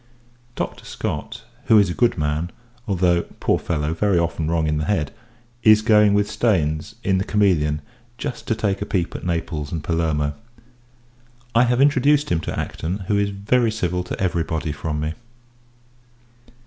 Dr. Scott, who is a good man although, poor fellow! very often wrong in the head is going with Staines, in, the Cameleon, just to take a peep at Naples and Palermo. I have introduced him to Acton, who is very civil to every body from me.